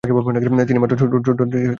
তিনি মাত্র চৌদ্দটিতে অংশ নিয়েছিলেন।